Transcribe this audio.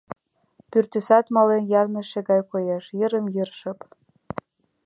Пӱртӱсат мален ярныше гай коеш, йырым-йыр шып.